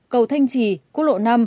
cầu thanh trì quốc lộ năm